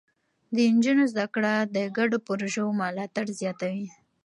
د نجونو زده کړه د ګډو پروژو ملاتړ زياتوي.